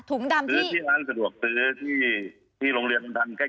ซื้อที่ร้านสะดวกซื้อที่โรงเรียนมันทัน